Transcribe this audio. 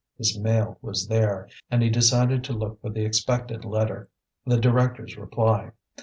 His mail was there, and he decided to look for the expected letter, the directors' reply.